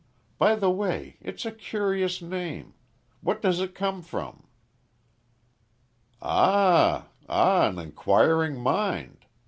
By the way, it's a curious name. What does it come from?" "Ah ah! An enquiring mind?